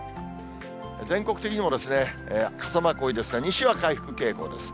全国的にも傘マーク多いですが、西は回復傾向です。